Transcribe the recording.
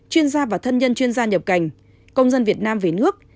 chuyên gia và thân nhân chuyên gia nhập cảnh công dân việt nam về nước